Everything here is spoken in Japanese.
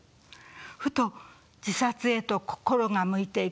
ふと自殺へと心が向いていく。